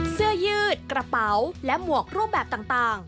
เสื้อยืดกระเป๋าและหมวกรูปแบบต่าง